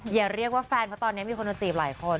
อย่าเรียกว่าแฟนเพราะตอนนี้มีคนโดนจีบหลายคน